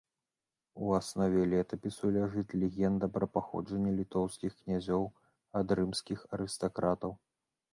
У аснове летапісу ляжыць легенда пра паходжанне літоўскіх князёў ад рымскіх арыстакратаў.